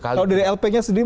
kalau dari lp nya sendiri